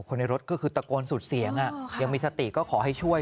ในรถก็คือตะโกนสุดเสียงยังมีสติก็ขอให้ช่วย